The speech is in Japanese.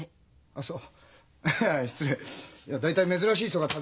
あっそう。